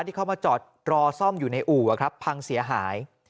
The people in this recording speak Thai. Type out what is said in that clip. ที่เขามาจอดรอซ่อมอยู่ในอู่ครับพังเสียหาย